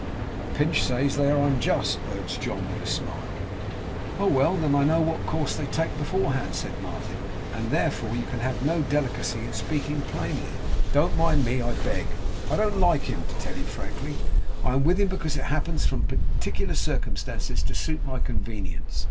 'But Pinch says they are unjust,' urged John with a smile. 'Oh! well! Then I know what course they take beforehand,' said Martin; 'and, therefore, you can have no delicacy in speaking plainly. Don't mind me, I beg. I don't like him I tell you frankly. I am with him because it happens from particular circumstances to suit my convenience.